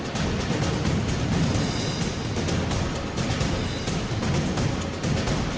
จะสารของผู้ชมไปใช่ไหมครับ